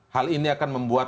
hal ini akan membuat